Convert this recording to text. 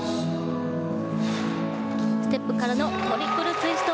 ステップからのトリプルツイスト。